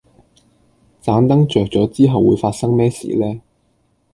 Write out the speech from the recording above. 盏燈着咗之後會發生咩事呢